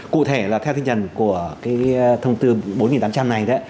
cụ thể là theo tinh thần của cái thông tư bốn tám trăm linh này